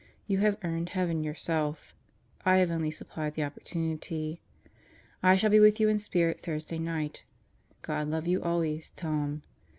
You have earned heaven yourself; I have only supplied the opportunity. ,.. I shall be with you in spirit Thursday night. God love you always, Tom.